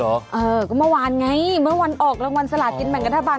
เออก็เมื่อวานไงเมื่อวันออกรางวัลสลากินแบ่งรัฐบาล